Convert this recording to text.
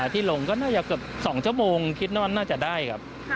ที่ลงก็น่าจะเกือบ๒ชั่วโมงคิดว่าน่าจะได้ครับ